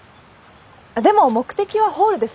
でも目的はホールですもんね。